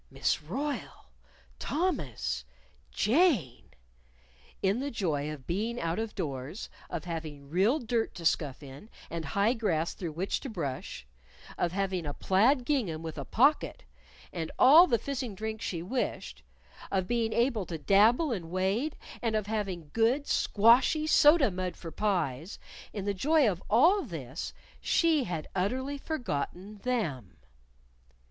Miss Royle! Thomas! Jane! In the joy of being out of doors, of having real dirt to scuff in, and high grass through which to brush; of having a plaid gingham with a pocket, and all the fizzing drink she wished; of being able to dabble and wade; and of having good, squashy soda mud for pies in the joy at all this she had utterly forgotten them!